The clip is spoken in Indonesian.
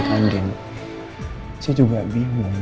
saya juga bingung